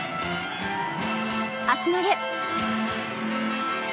足投げ。